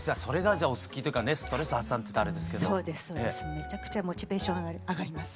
めちゃくちゃモチベーション上がります。